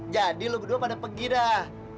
jadi lo berdua pada pergi dah